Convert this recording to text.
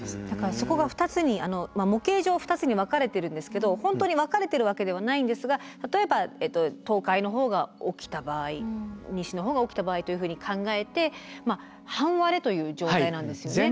だからそこが２つに模型上２つに分かれてるんですけど本当に分かれてるわけではないんですが例えば東海の方が起きた場合西の方が起きた場合というふうに考えて半割れという状態なんですよね。